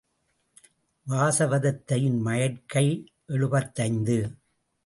வாசவதத்தையின் மயற்கை எழுபத்தைந்து.